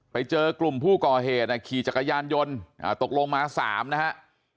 ไปเจอกลุ่มผู้ก่อเหตุขี่จักรยานยนต์ตกลงมา๓นะฮะ